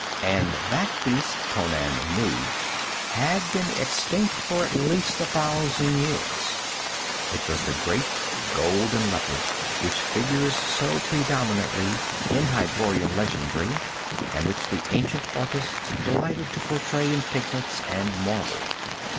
And that beast, Conan knew, had been extinct for at least a thousand years; it was the great golden leopard which figures so predominantly in Hyborian legendry, and which the ancient artists delighted to portray in pigments and marble.